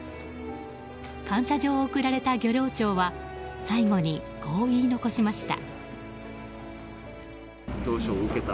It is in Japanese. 感謝状を贈られた漁労長は最後に、こう言い残しました。